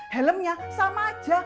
helmnya sama aja